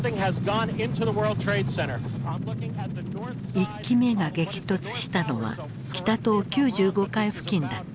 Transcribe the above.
１機目が激突したのは北棟９５階付近だった。